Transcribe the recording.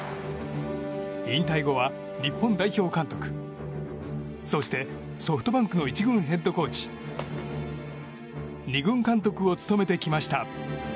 引退後は日本代表監督そして、ソフトバンクの１軍ヘッドコーチ２軍監督を務めてきました。